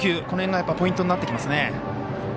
この辺がポイントになってきますね。